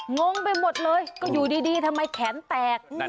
งงไปหมดเลยก็อยู่ดีทำไมแขนแตก